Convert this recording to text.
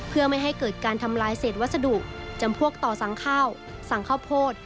เพื่อไม่ให้เกิดการทำลายเศษวัสดุจำพวกต่อสั่งข้าวสั่งข้าวโพด